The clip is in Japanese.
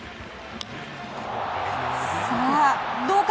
さあ、どうか？